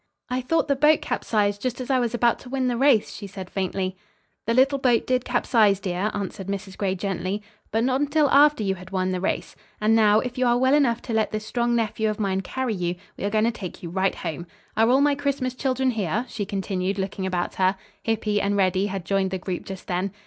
"I thought the boat capsized just as I was about to win the race," she said faintly. "The little boat did capsize, dear," answered Mrs. Gray gently, "but not until after you had won the race. And now, if you are well enough to let this strong nephew of mine carry you, we are going to take you right home. Are all my Christmas children here?" she continued, looking about her. Hippy and Reddy had joined the group just then.